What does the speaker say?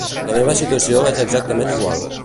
La meva situació és exactament igual.